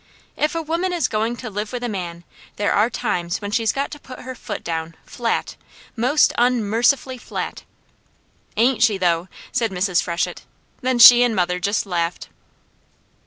If a woman is going to live with a man, there are times when she's got to put her foot down flat most unmercifully flat!" "Ain't she though!" said Mrs. Freshett; then she and mother just laughed.